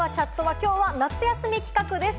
きょうは夏休み企画です。